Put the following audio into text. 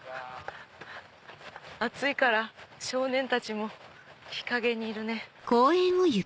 暑いから少年たちも日陰にいるね。